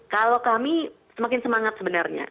kalau kami semakin semangat sebenarnya